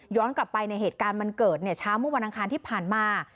กลับไปในเหตุการณ์มันเกิดเนี่ยเช้าเมื่อวันอังคารที่ผ่านมา